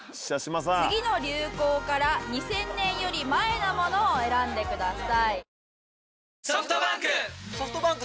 次の流行から２０００年より前のものを選んでください。